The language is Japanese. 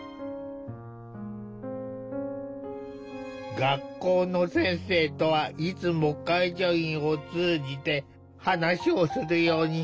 学校の先生とはいつも介助員を通じて話をするようになってしまったという。